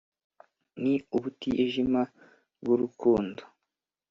Ni ubutijima bw'urukundo,